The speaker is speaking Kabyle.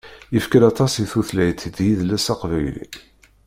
Yefka-d aṭas i tutlayt d yidles aqbayli.